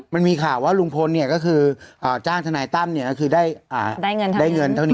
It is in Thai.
มันมีข่าวว่าลุงพลก็คือจ้างทนายตั้มก็คือได้เงินเท่านี้